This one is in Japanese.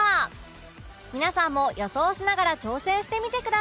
皆さんも予想しながら挑戦してみてください